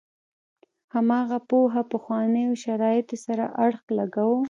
هماغه پوهه پخوانو شرایطو سره اړخ لګاوه.